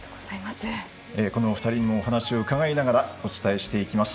このお二人にもお話を伺いながらお伝えします。